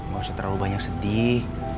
gak usah terlalu banyak sedih